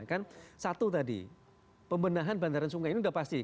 kan satu tadi pembenahan bandara sungai ini sudah pasti